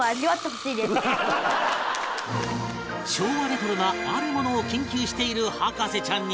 昭和レトロなあるものを研究している博士ちゃんに